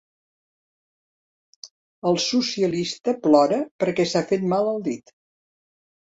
El socialista plora perquè s'ha fet mal al dit.